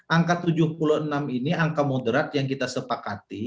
angka tujuh puluh enam ini angka moderat yang kita sepakati